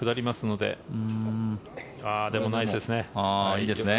でもナイスですね。